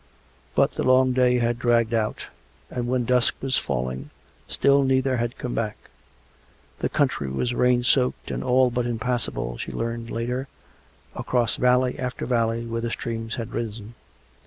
But the long day had dragged out; and when dusk was falling, still neither had come back. The country was rain soaked and all but impassable, she learned later, across valley after valley, where the streams had risen.